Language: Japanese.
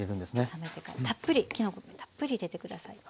冷めてからたっぷり木の芽たっぷり入れてください。